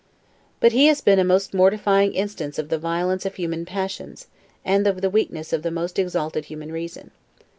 But he has been a most mortifying instance of the violence of human passions and of the weakness of the most exalted human reason.